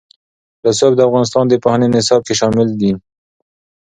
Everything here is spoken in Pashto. رسوب د افغانستان د پوهنې نصاب کې شامل دي.